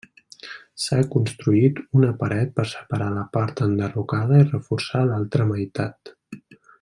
S'ha construït una paret per separar la part enderrocada i reforçar l'altra meitat.